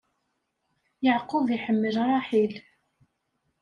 Yeɛqub iḥemmel Ṛaḥil.